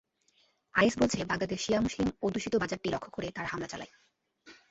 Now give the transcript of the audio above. Is বলছে, বাগদাদের শিয়া মুসলিম অধ্যুষিত বাজারটি লক্ষ্য করে তারা হামলা চালায়।